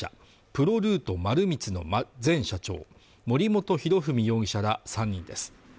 プロルート丸光の前社長森本裕文容疑者ら３人です